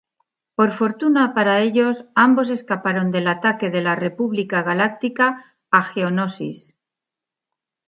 Por fortuna para ellos, ambos escaparon del ataque de la República Galáctica a Geonosis.